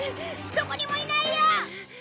どこにもいないよ！